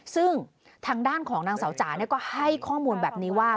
ซึ่งทางด้านของนางสาวจ๋าก็ให้ข้อมูลแบบนี้ว่า